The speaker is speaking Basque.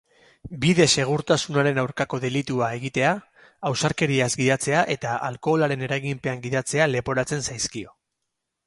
Bide-segurtasunaren aurkako delitua egitea, ausarkeriaz gidatzea eta alkoholaren eraginpean gidatzea leporatzen zaizkio.